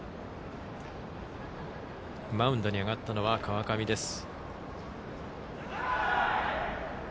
マウンドに上がったのは川上です。